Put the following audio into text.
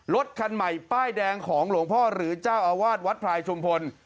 รถคันใหม่ป้ายแดงของหลวงพ่อหรือเจ้าอาวาสวัดพลายชุมพล